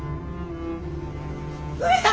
上様！